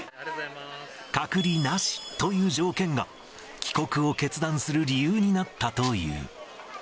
隔離なしという条件が、帰国を決断する理由になったという。